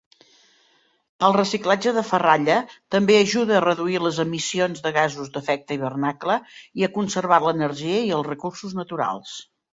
El reciclatge de ferralla també ajuda a reduir les emissions de gasos d'efecte hivernacle i a conservar l'energia i els recursos naturals.